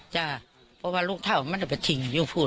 จ้ะเพราะว่ารุงเท้ามันจะไปทิ้งอยู่